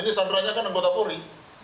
ini sandra nya kan anggota polri